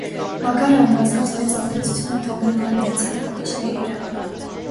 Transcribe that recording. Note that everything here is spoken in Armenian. Ագարը անկասկած մեծ ազդեցություն է թողնել դանիացի նկարիչների վրա։